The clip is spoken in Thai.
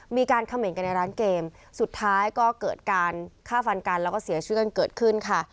มีการเขม่นกันในร้านเกมสุดท้ายก็เกิดการฆ่าฟันกันแล้วก็เสียเชื่อนเกิดขึ้นค่ะ